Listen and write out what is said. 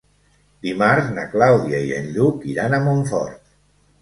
Dimarts na Clàudia i en Lluc iran a Montfort.